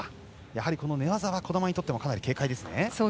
やはり寝技は児玉にとってもかなり警戒ですね。